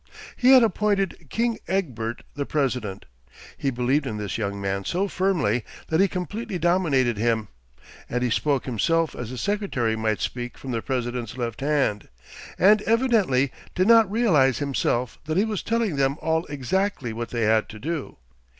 He had appointed King Egbert the president, he believed in this young man so firmly that he completely dominated him, and he spoke himself as a secretary might speak from the president's left hand, and evidently did not realise himself that he was telling them all exactly what they had to do.